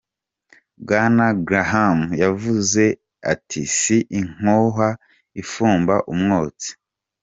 Bwana Graham yavuze ati: "Si inkoho ifumba umwotsi - ni umwotsi tubonye.